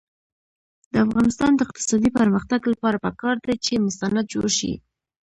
د افغانستان د اقتصادي پرمختګ لپاره پکار ده چې مستند جوړ شي.